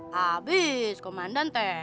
habis komandan teh